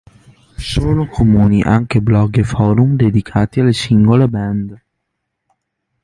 Sono comuni anche blog e forum dedicati alle singole band.